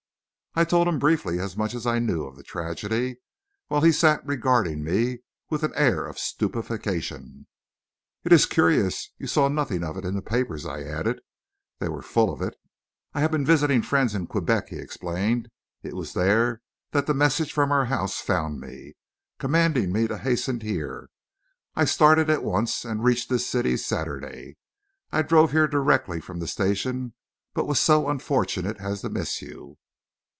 I told him briefly as much as I knew of the tragedy, while he sat regarding me with an air of stupefaction. "It is curious you saw nothing of it in the papers," I added. "They were full of it." "I have been visiting friends at Quebec," he explained, "It was there that the message from our house found me, commanding me to hasten here. I started at once, and reached this city Saturday. I drove here directly from the station, but was so unfortunate as to miss you."